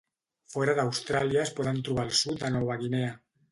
Fora d'Austràlia es poden trobar al sud de Nova Guinea.